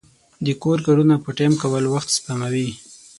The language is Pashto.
د کور کارونه په ټیم کې کول وخت سپموي.